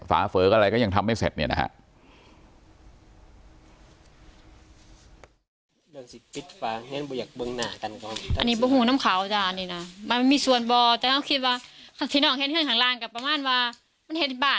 ฝาเฝออะไรก็ยังทำไม่เสร็จเนี่ยนะฮะ